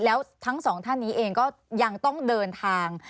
แล้วทั้งสองท่านนี้เองก็ยังต้องเดินทาง